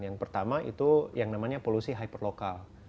yang pertama itu yang namanya polusi hyperlokal